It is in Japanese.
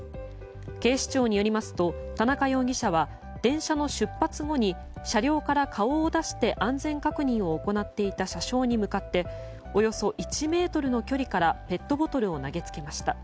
警視庁によりますと田中容疑者は電車の出発後に車両から顔を出して安全確認をしていた車掌に向かっておよそ１ｍの距離からペットボトルを投げつけました。